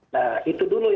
nah itu dulu